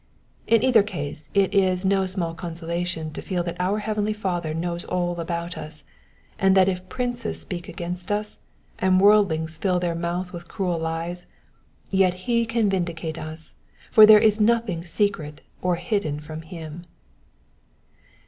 In either case it is no small consolation to feel that our heavenly Father knows all about us, and that if princes speak against us, «md worldlings fill their mouths with cruel lies, yet he can vindicate us, for there is nothing secret or hidden from him.